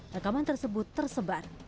rekaman tersebut tersebar